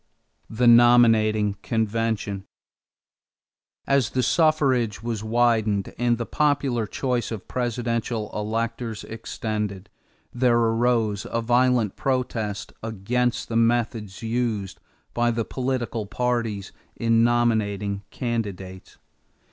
=The Nominating Convention.= As the suffrage was widened and the popular choice of presidential electors extended, there arose a violent protest against the methods used by the political parties in nominating candidates.